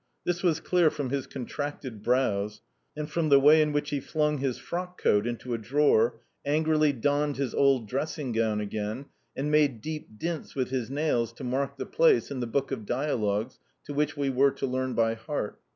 This was clear from his contracted brows, and from the way in which he flung his frockcoat into a drawer, angrily donned his old dressing gown again, and made deep dints with his nails to mark the place in the book of dialogues to which we were to learn by heart.